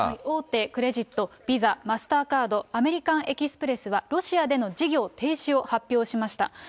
大手クレジット、ビザ、マスターカード、アメリカン・エキスプレスはロシアでの事業停止を発表しました。